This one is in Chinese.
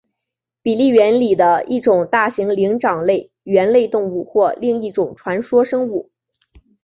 比利猿里的一种大型灵长类猿类动物或另一种传说生物。